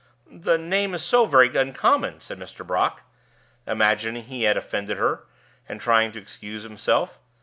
"The name is so very uncommon," said Mr. Brock, imagining he had offended her, and trying to excuse himself.